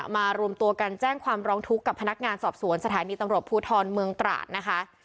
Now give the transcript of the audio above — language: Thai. รวมตัวกันแจ้งความร้องทุกข์กับพนักงานสอบสวนสถานีตำรวจภูทรเมืองตราดนะคะ